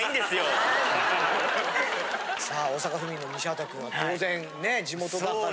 さあ大阪府民の西畑君は当然ねえ地元だから。